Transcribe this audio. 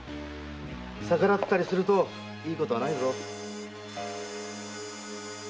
逆らったりするといいことはないぞ。